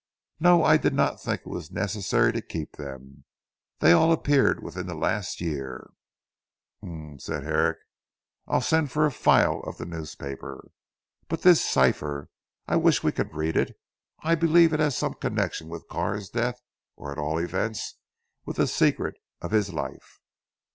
"No; I did not think it was necessary to keep them. They all appeared within the last year." "Humph," said Herrick, "I'll send for a file of the newspaper. But this cipher? I wish we could read it. I believe it has some connection with Carr's death, or at all events with the secret of his life."